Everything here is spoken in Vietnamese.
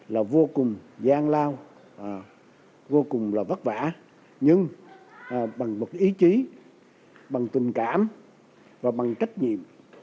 công an bà rịa vũng tàu vô cùng là vất vả nhưng bằng một ý chí bằng tình cảm và bằng trách nhiệm